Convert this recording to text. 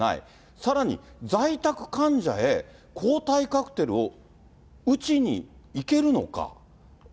さらに在宅患者へ抗体カクテルを打ちに行けるのか。